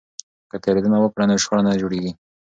که تیریدنه وکړو نو شخړه نه جوړیږي.